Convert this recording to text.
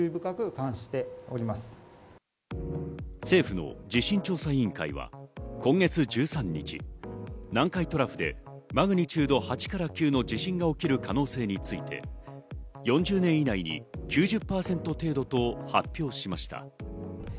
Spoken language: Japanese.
政府の地震調査委員会は今月１３日、南海トラフでマグニチュード８から９の地震が起きる可能性について、４０年以内に９０％程度と発表しました。